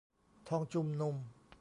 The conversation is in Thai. ทองชุมนุม